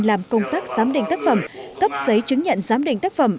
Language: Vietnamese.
làm công tác giám định tác phẩm cấp giấy chứng nhận giám định tác phẩm